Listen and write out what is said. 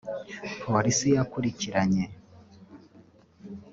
Polisi yakurikiranye